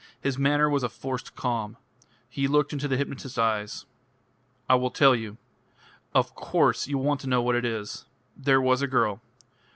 His manner was a forced calm. He looked into the hypnotist's eyes. "I will tell you. Of course you will want to know what it is. There was a girl.